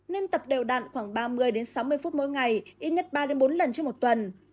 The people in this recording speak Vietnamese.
nên tập đều đạn khoảng ba mươi sáu mươi phút mỗi ngày ít nhất ba bốn lần trên một tuần